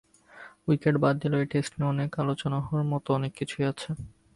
Wicket বাদ দিলেও এই টেস্ট নিয়ে আলোচনা হওয়ার মতো অনেক কিছুই আছে।